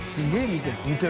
見てる。